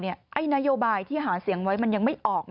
ไหนยุบายที่หาเสียงไว้ยังไม่ออก